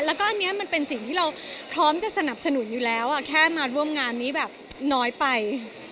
แล้วก็อันนี้มันเป็นสิ่งที่เราพร้อมจะสนับสนุนอยู่แล้วแค่มาร่วมงานนี้แบบน้อยไป